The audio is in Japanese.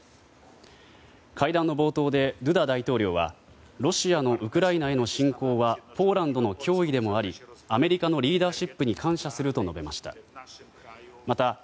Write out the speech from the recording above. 会談の冒頭でドゥダ大統領はロシアのウクライナへの侵攻はポーランドの脅威でもありアメリカのリーダーシップに感謝すると述べました。